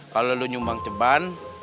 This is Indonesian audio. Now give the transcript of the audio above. kalau lu nyumbang ceban